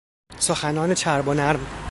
سخنان چرب و نرم